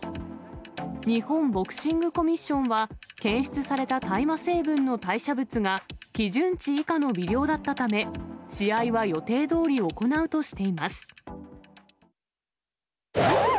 日本ボクシングコミッションは、検出された大麻成分の代謝物が基準値以下の微量だったため、小さなお部屋に好きを集めて